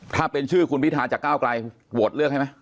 ถ้าเป็นชื่อคุณพิธาจากก้าวไกลโหวตเลือกให้ไหม